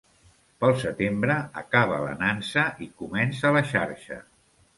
Pel setembre acaba la nansa i comença la xarxa.